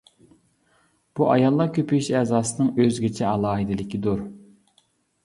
بۇ ئاياللار كۆپىيىش ئەزاسىنىڭ ئۆزگىچە ئالاھىدىلىكىدۇر.